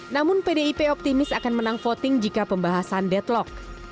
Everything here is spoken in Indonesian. namun pdip optimis akan menang voting jika pembahasan deadlock